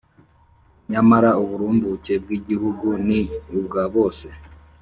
Nyamara uburumbuke bw igihugu ni ubwa bose